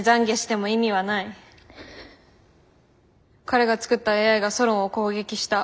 彼が作ったＡＩがソロンを攻撃した。